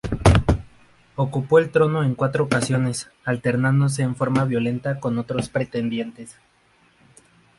Ocupó el trono en cuatro ocasiones, alternándose en forma violenta con otros pretendientes.